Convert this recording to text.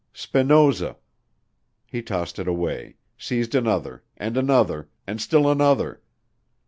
Spinoza. He tossed it away, seized another, and another, and still another.